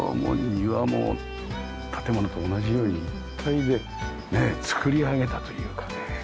庭も建物と同じように２人で造り上げたというかね。